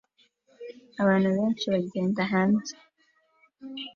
Abantu benshi bagenda hanze